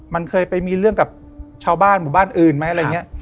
มันเคยไปมีเรื่องกับชาวบ้านหมู่บ้านอื่นไหมอะไรอย่างนี้